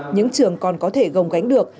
những trường còn có thể gồng gánh được